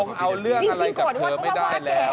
เอาเรื่องอะไรกับเธอไม่ได้แล้ว